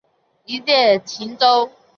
一作晴州。